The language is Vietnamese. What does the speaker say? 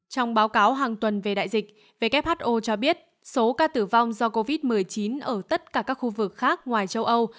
trong báo cáo hàng tuần về đại dịch who cho biết số ca tử vong do covid một mươi chín ở tất cả các khu vực khác ngoài châu âu